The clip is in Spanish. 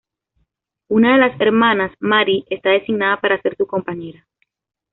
Una de las hermanas, Marie, está designada para ser su compañera.